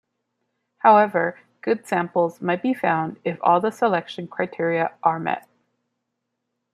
However, ""good samples"" might be found if all the selection criteria are met.